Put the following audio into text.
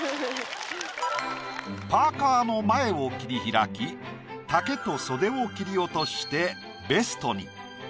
パーカーの前を切り開き丈と袖を切り落としてベストに。